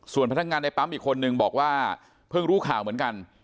ส่วนพนักงานในปั๊มอีกคนนึงบอกว่าเพิ่งรู้ข่าวเหมือนกัน